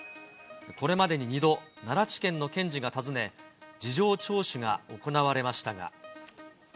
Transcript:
これまでに２度、奈良地検の検事が訪ね、事情聴取が行われましたが。